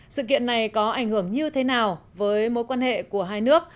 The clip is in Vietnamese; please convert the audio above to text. sự kiện này có ảnh hưởng như thế nào với mối quan hệ của hai nước